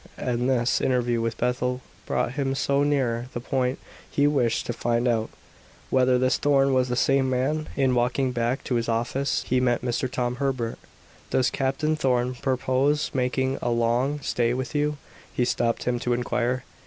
And this interview with Bethel brought him no nearer the point he wished to find out whether this Thorn was the same man. In walking back to his office he met Mr. Tom Herbert. "Does Captain Thorn purpose making a long stay with you?" he stopped him to inquire.